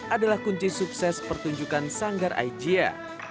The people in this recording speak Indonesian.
adalah kunci sukses pertunjukan sanggar aijia